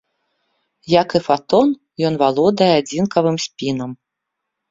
Як і фатон, ён валодае адзінкавым спінам.